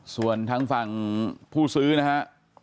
ส่วนทางฝั่งผู้ซื้อนะฮะ